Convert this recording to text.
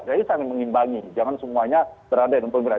jadi kami mengimbangi jangan semuanya berada di dalam pemerintahan